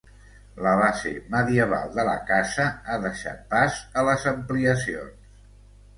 La base medieval de la casa ha deixat pas a les ampliacions.